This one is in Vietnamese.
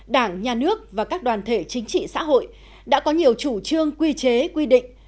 đảng nhà nước và các đoàn thể chính trị xã hội đã có nhiều chủ trương quy chế quy định